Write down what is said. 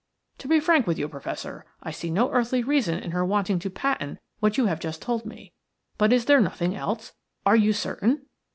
To be frank with you, Professor, I see no earthly reason in her wanting to patent what you have just told me. But is there nothing else? Are you certain?"